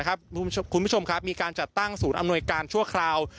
คุณผู้ชมครับมีการจัดตั้งศูนย์อำนวยการชั่วคราว